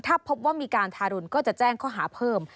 ถ้าพบว่ามีการทารุณก็จะแจ้งข้อหาเพิ่ม